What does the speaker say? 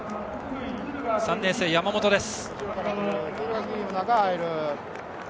３年生、山本です。